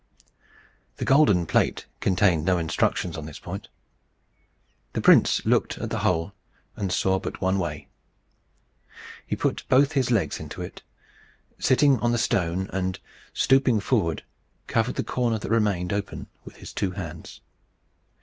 The golden plate contained no instructions on this point. The prince looked at the hole, and saw but one way. He put both his legs into it, sitting on the stone, and, stooping forward, covered the corner that remained open with his two hands.